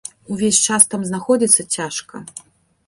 Увесь час там знаходзіцца цяжка.